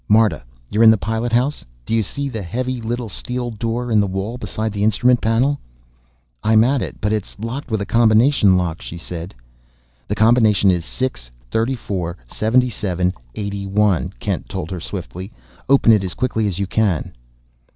"Marta, you're in the pilot house? Do you see the heavy little steel door in the wall beside the instrument panel?" "I'm at it, but it's locked with a combination lock," she said. "The combination is 6 34 77 81," Kent told her swiftly. "Open it as quickly as you can."